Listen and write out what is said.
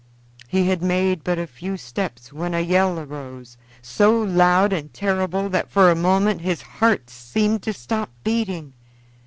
He had made but a few steps when a yell arose, so loud and terrible that for a moment his heart seemed to stop beating.